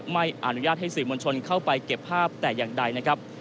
ไม่อนุญาตให้สื่อมวลชนเข้าไปเก็บภาพแต่อย่างใดนะครับ